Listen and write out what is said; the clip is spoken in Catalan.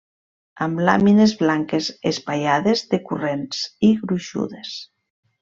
Amb làmines blanques, espaiades, decurrents i gruixudes.